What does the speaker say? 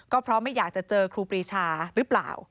ก็เพราะไม่อยากจะเจอครูปรีชาหรือเปล่า